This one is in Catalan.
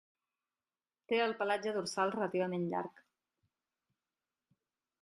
Té el pelatge dorsal relativament llarg.